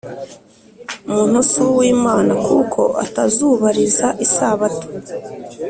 muntu si uw Imana kuko atazubariza isabato.